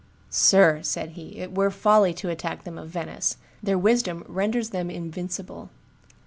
"Sir," said he, "it were folly to attack them of Venice; their wisdom renders them invincible."